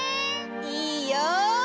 いいよ！